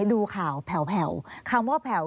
ดูข่าวแผ่วคำว่าแผ่ว